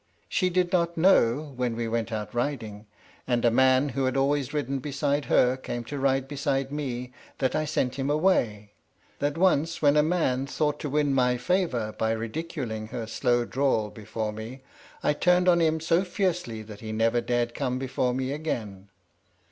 She did not know, when we went out riding, and a man who had always ridden beside her came to ride beside me, that I sent him away; that once when a man thought to win my favour by ridiculing her slow drawl before me I turned on him so fiercely that he never dared come before me again.